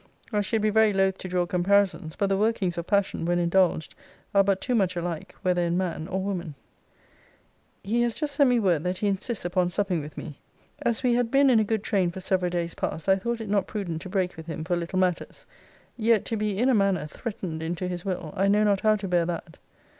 I should be very loth to draw comparisons; but the workings of passion, when indulged, are but too much alike, whether in man or woman. * See Letter X. of this volume, Parag. 2. He has just sent me word, that he insists upon supping with me. As we had been in a good train for several days past, I thought it not prudent to break with him for little matters. Yet, to be, in a manner, threatened into his will, I know not how to bear that.